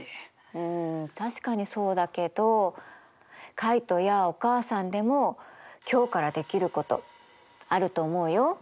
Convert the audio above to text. うん確かにそうだけどカイトやお母さんでも今日からできることあると思うよ。